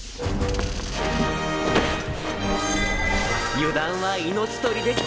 油断は命取りでござる。